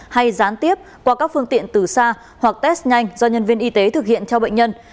hay gián tiếp qua các phương tiện từ xa hoặc test nhanh do nhân viên y tế thực hiện cho bệnh nhân